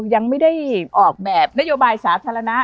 ยังไม่ได้ออกแบบนโยบายสาธารณะ